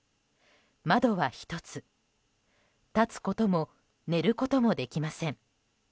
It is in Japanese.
窓は１つ、立つことも寝ることもできません。